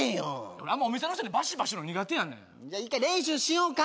俺あんまお店の人にバシバシ言うの苦手やねんじゃあ一回練習しようか？